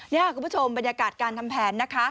นี่คุณผู้ชมบรรยากาศการทำแผนนะคะ